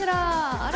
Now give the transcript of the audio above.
あれ？